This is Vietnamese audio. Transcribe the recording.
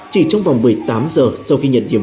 tại đây trong vòng một mươi tám giờ sau khi nhận điểm